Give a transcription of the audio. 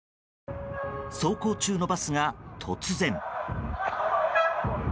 走行中のバスが突然。